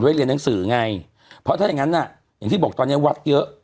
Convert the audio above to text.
เรียนหนังสือไงเพราะถ้าอย่างงั้นอ่ะอย่างที่บอกตอนนี้วัดเยอะ